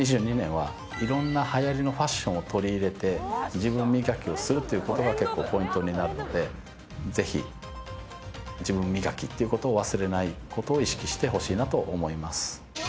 ２０２２年は色んなはやりのファッションを取り入れて自分磨きをするということが結構ポイントになるのでぜひ自分磨きっていうことを忘れないことを意識してほしいなと思います